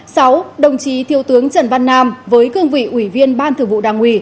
sáu đồng chí thiếu tướng trần văn nam với cương vị ủy viên ban thường vụ đảng ủy